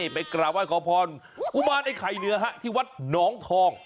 ไปกราบไห้ขอพรกุมารไอ้ไข่เหนือที่วัดหนองทอง